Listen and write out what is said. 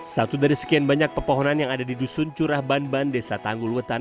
satu dari sekian banyak pepohonan yang ada di dusun curah ban ban desa tanggulwetan